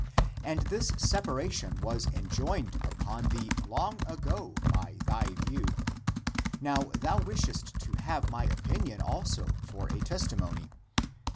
x'\nd this separation was enjoined upon thee long ago by thy view. Now thou wishest to have my opinion also for a testi mony.